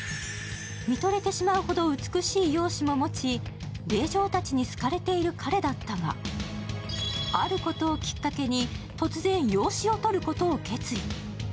見とれてしまうほど美しい容姿も持ち、令嬢たちに好かれている彼だったが、あることをきっかけに、突然養子をとることを決意。